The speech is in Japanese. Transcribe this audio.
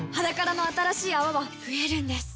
「ｈａｄａｋａｒａ」の新しい泡は増えるんです